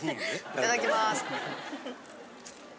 いただきます。